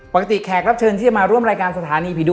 แขกรับเชิญที่จะมาร่วมรายการสถานีผีดุ